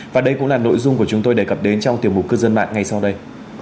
và đây cũng là nội dung của chúng tôi đề cập đến trong tiểu mục cư dân mạng ngay sau đây